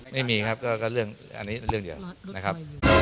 ไม่มีครับก็เรื่องอันนี้เรื่องเดียวนะครับ